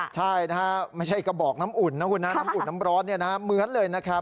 ใช่ไม่ใช่กระบอกน้ำอุ่นน้ำอุ่นน้ำอุ่นน้ำร้อนเหมือนเลย